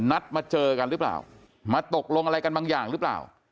นัดมาเจอกันหรือเปล่ามาตกลงอะไรกันบางอย่างหรือเปล่า